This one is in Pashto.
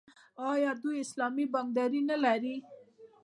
آیا دوی اسلامي بانکداري نلري؟